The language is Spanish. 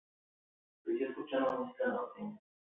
Creció escuchando música norteña.